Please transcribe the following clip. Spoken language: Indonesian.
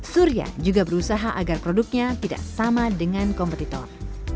surya juga berusaha agar produknya tidak sama dengan kompetitor